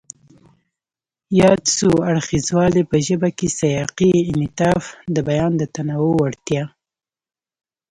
ياد څو اړخیزوالی په ژبه کې سیاقي انعطاف، د بیان د تنوع وړتیا،